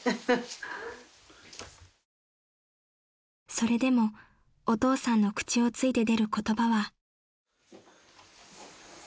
［それでもお父さんの口をついて出る言葉は］